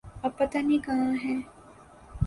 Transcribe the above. اب پتہ نہیں کہاں ہیں۔